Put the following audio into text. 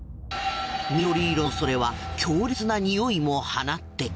緑色のそれは強烈な臭いも放っていた。